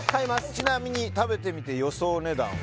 ちなみに食べてみて予想値段は？